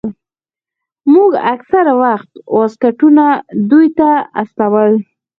موږ اکثره وخت واسکټونه دوى ته استول.